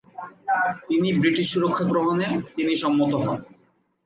তিনি ব্রিটিশ সুরক্ষা গ্রহণে তিনি সম্মত হন।